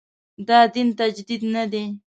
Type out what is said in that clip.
دا دین تجدید نه دی.